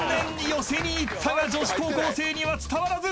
寄せにいったが女子高校生には伝わらず］